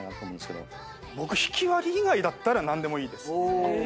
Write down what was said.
僕ひきわり以外だったら何でもいいです。